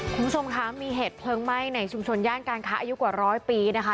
คุณผู้ชมคะมีเหตุเพลิงไหม้ในชุมชนย่านการค้าอายุกว่าร้อยปีนะคะ